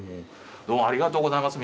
どうもありがとうございます皆さん。